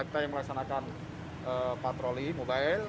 kita yang melaksanakan patroli mobile